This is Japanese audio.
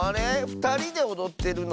ふたりでおどってるの？